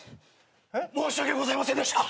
申し訳ございませんでした！